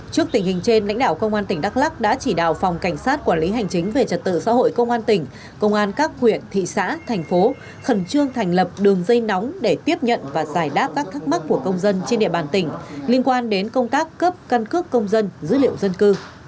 trước tình hình trên lãnh đạo công an tỉnh đắk lắc đã chỉ đạo phòng cảnh sát quản lý hành chính về trật tự xã hội công an tỉnh công an các huyện thị xã thành phố khẩn trương thành lập đường dây nóng để tiếp nhận và giải đáp các thắc mắc của công dân trên địa bàn tỉnh liên quan đến công tác cấp căn cước công dân dữ liệu dân cư